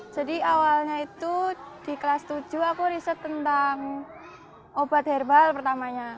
jadi awalnya itu di kelas tujuh aku riset tentang obat herbal pertamanya